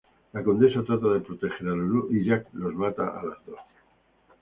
La Condesa trata de proteger a Lulú y Jack las mata a las dos.